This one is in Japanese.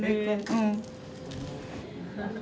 うん。